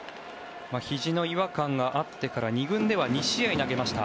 ひじの違和感があってから２軍では２試合投げました。